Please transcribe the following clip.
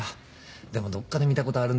でもどっかで見たことあるんだよな。